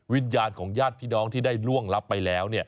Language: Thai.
วิญญาณของญาติพี่น้องที่ได้ล่วงรับไปแล้ว